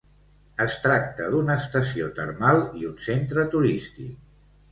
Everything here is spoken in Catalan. Es tracta d'una estació termal i un centre turístic.